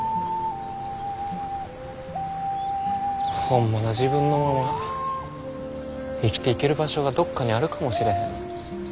ホンマの自分のまま生きていける場所がどっかにあるかもしれへん。